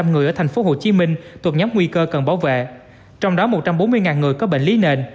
người thuộc phố hồ chí minh thuộc nhóm nguy cơ cần bảo vệ trong đó một trăm bốn mươi người có bệnh lý nền